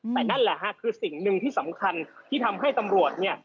แต่นั่นแหละฮะคือสิ่งหนึ่งที่สำคัญที่ทำให้ตำรวจเนี่ย